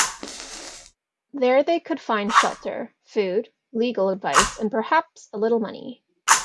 There they could find shelter, food, legal advice and perhaps a little money.